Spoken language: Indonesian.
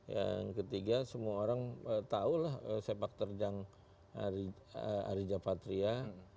yang ketiga semua orang tahulah sepak terjang arija patria